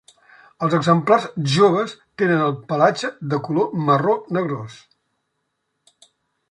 Els exemplars joves tenen el pelatge de color marró negrós.